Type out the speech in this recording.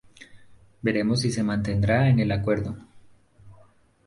Veremos si se mantendrá en el acuerdo".